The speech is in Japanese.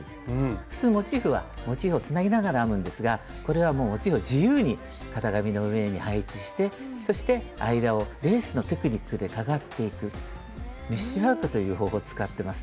普通モチーフはモチーフをつなぎながら編むんですがこれはもうモチーフを自由に型紙の上に配置してそして間をレースのテクニックでかがっていくメッシュワークという方法を使ってますね。